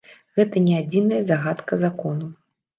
Гэта не адзіная загадка закону.